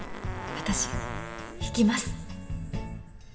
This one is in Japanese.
私行きます。